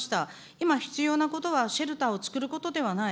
今、必要なことはシェルターを作ることではない。